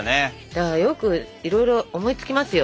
だからよくいろいろ思いつきますよ